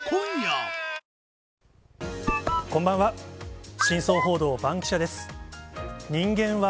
こんばんは。